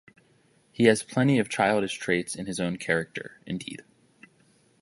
He has plenty of childish traits in his own character, indeed.